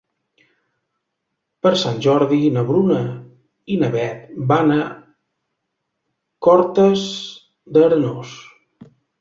Per Sant Jordi na Bruna i na Beth van a Cortes d'Arenós.